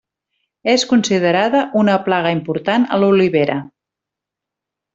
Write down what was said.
És considerada una plaga important a l'olivera.